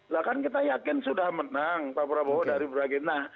lah kan kita yakin sudah menang pak prabowo dari beragena